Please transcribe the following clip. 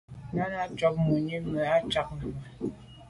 Náná à’ cǎk mùní mɛ́n ǐ á càk vwá.